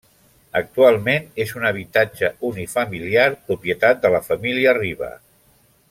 Actualment és un habitatge unifamiliar, propietat de la família Riba.